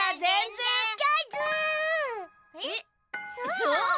そう？